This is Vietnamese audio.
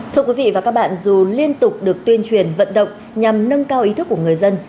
thưa quý vị và các bạn dù liên tục được tuyên truyền vận động nhằm nâng cao ý thức của người dân